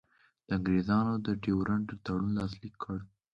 انګرېزانو د ډیورنډ تړون لاسلیک کړ.